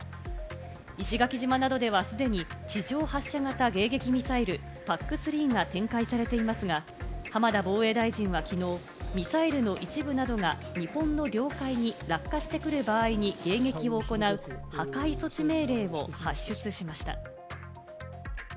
石垣島などではすでに地上発射型迎撃ミサイル「ＰＡＣ−３」が展開されていますが、浜田防衛大臣はきのう、ミサイルの一部などが日本の領海に落下してくる場合に迎撃を行う破壊措置命令を発出しました。